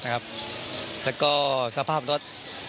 แล้วก็สภาพรถ